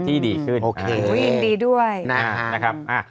โอเคอุ้ยยินดีด้วยนะครับ